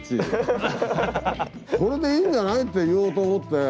これでいいんじゃないって言おうと思って。